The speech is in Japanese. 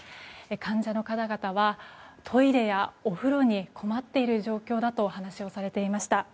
患者の方々はトイレやお風呂に困っている状況だと話をされていました。